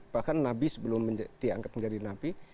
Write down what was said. bahkan nabi sebelum dianggap menjadi nabi